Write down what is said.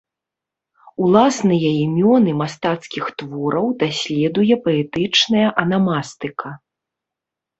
Уласныя імёны мастацкіх твораў даследуе паэтычная анамастыка.